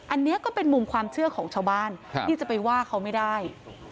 อันนี้ก็เป็นมุมความเชื่อของชาวบ้านที่จะไปว่าเขาไม่ได้